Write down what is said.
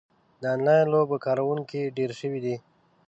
د انلاین لوبو کاروونکي ډېر شوي دي.